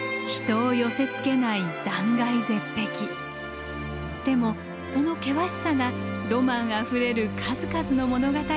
でもその険しさがロマンあふれる数々の物語を生み出しました。